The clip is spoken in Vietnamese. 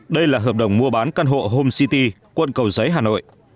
đây là hợp đồng mua bán căn hộ home city quận cầu giấy hà nội